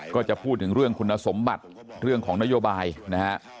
ก็จะพูดถึงเรื่องคุณสมบัติเรื่องของนโยบายนะฮะ